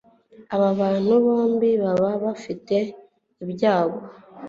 aba bantu bombi baba bafite ibyago